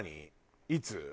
いつ？